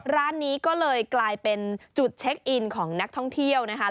ร้านนี้ก็เลยกลายเป็นจุดเช็คอินของนักท่องเที่ยวนะคะ